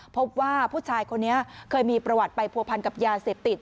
พบว่าผู้ชายคนนี้เคยมีประวัติไปผัวพันกับยาเสพติด